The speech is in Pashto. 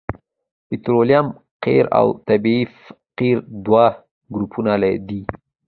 پطرولیم قیر او طبیعي قیر دوه ګروپونه دي